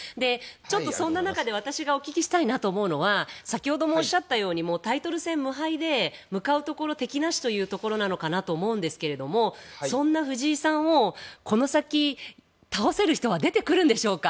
そんな中で私がお聞きしたいのは先ほどもおっしゃったタイトル戦無敗で向かうところ敵なしというところなのかなと思うんですがそんな藤井さんをこの先、倒せる人は出てくるんでしょうか。